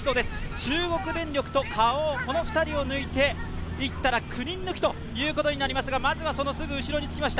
中国電力とＫａｏ、この２人を抜いていったら９人抜きとなりますがまずはそのすぐ後ろにつきました。